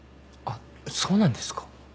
あっそうなんですか。